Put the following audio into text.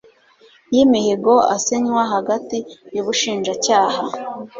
y imihigo asinywa hagati y umushinjacyaha